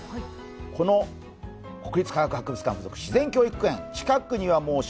この国立科学博物館の自然教育園。